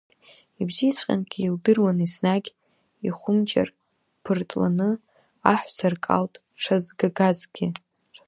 Ибзиаҵәҟьангьы илдыруан, еснагь ихәымџьар ԥыртланы аҳәса ркалҭ дшазгагазгьы.